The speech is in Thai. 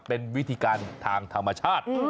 เป็นวิธีการทางธรรมชาติ